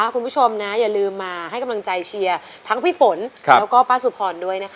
คุณผู้ชมนะอย่าลืมมาให้กำลังใจเชียร์ทั้งพี่ฝนแล้วก็ป้าสุพรด้วยนะคะ